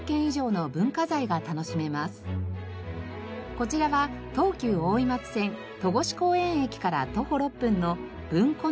こちらは東急大井町線戸越公園駅から徒歩６分の文庫の森。